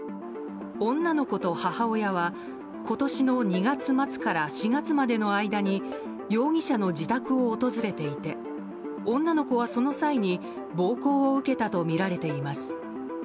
女の子と母親は今年の２月末から４月までの間に容疑者の自宅を訪れていて女の子は、その際に暴行を受けたとみられています。